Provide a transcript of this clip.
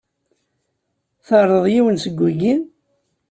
Tɛerḍeḍ yiwen seg wiyi?